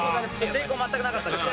抵抗全くなかったです。